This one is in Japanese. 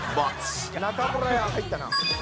「中村屋入ったな」